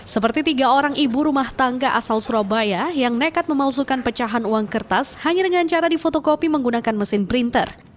seperti tiga orang ibu rumah tangga asal surabaya yang nekat memalsukan pecahan uang kertas hanya dengan cara difotokopi menggunakan mesin printer